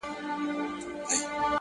صبر د موخو ساتونکی دی!